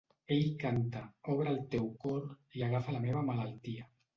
Ell canta, "Obre el teu cor, i agafa la meva malaltia".